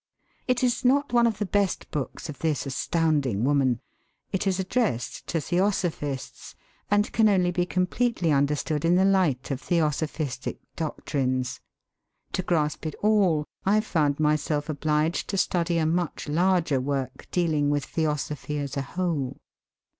It is not one of the best books of this astounding woman. It is addressed to theosophists, and can only be completely understood in the light of theosophistic doctrines. (To grasp it all I found myself obliged to study a much larger work dealing with theosophy as a whole.)